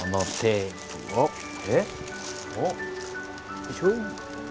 よいしょ。